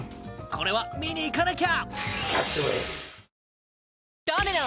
これは見に行かなきゃ！